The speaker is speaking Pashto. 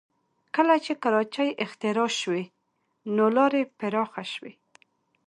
کله چې کراچۍ اختراع شوې نو لارې پراخه شوې